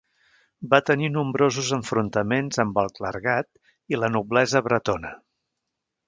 Va tenir nombrosos enfrontaments amb el clergat i la noblesa bretona.